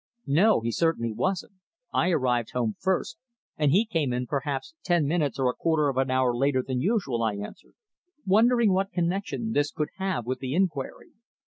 "No, he certainly wasn't. I arrived home first, and he came in perhaps ten minutes or a quarter of an hour later than usual," I answered, wondering what connexion this could have with the inquiry.